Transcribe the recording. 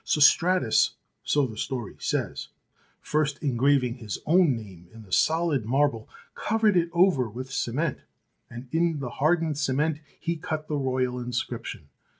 Sostratus, so the story says, first engraving his own name in the solid marble, covered it over with cement, and in the hardened cement he cut the royal inscription.